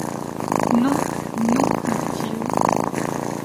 Non, non, dit-il